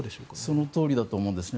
そのとおりだと思うんですね。